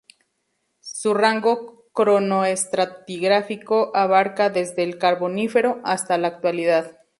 Su rango cronoestratigráfico abarca desde el Carbonífero hasta la Actualidad.